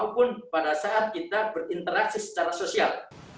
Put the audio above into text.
kita bisa berinteraksi secara sosial